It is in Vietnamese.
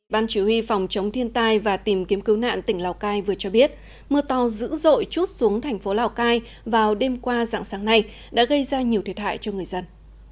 ban chỉ huy phòng chống thiên tai và tìm kiếm cứu nạn tỉnh lào cai vừa cho biết mưa to dữ dội chút xuống thành phố lào cai vào đêm qua dạng sáng nay đã gây ra nhiều thiệt hại cho người dân